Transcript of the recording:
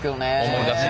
思い出す。